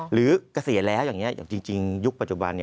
หรือกระเสียแล้วอย่างนี้อย่างจริงยุคปัจจุบัน